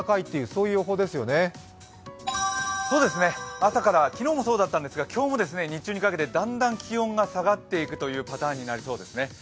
そうですね、昨日もそうだったんですが、朝から今日も日中にかけてだんだん気温が下がっていくパターンになりそうですね。